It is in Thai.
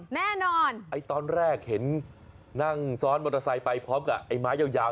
แน่นอนไอ้ตอนแรกเห็นนั่งซ้อนมอเตอร์ไซค์ไปพร้อมกับไอ้ไม้ยาว